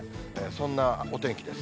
そんなお天気です。